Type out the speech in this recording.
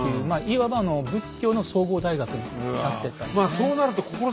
いわば仏教の総合大学になってったんですね。